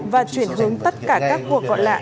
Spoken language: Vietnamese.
và chuyển hướng tất cả các cuộc gọi lạ